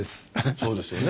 そうですよね。